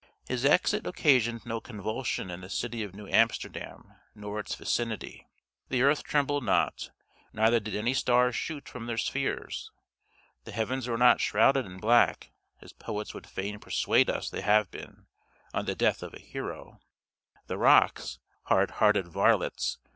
His exit occasioned no convulsion in the city of New Amsterdam nor its vicinity; the earth trembled not, neither did any stars shoot from their spheres; the heavens were not shrouded in black, as poets would fain persuade us they have been, on the death of a hero; the rocks (hard hearted varlets!)